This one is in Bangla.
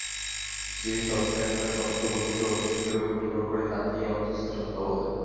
যে সত্তা একটা সত্য বস্তুর অস্তিত্বের উপর নির্ভর করে, তাকেই অধ্যস্ত সত্তা বলে।